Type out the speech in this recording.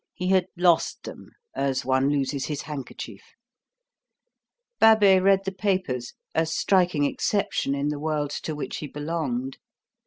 He had lost them as one loses his handkerchief. Babet read the papers, a striking exception in the world to which he belonged.